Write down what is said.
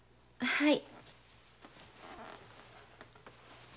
はい。